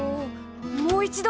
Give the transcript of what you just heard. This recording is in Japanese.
もう一度！